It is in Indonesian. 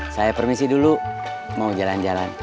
saya permisi dulu mau jalan jalan